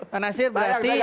pak nasir berarti